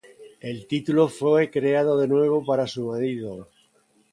El título fue creado de nuevo para su marido.